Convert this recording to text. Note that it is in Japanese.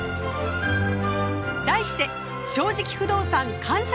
題して「正直不動産感謝祭」。